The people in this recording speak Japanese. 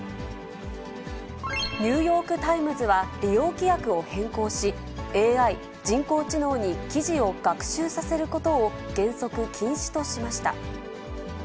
ニューヨーク・タイムズは、利用規約を変更し、ＡＩ・人工知能に記事を学習させることを原則、禁止としました。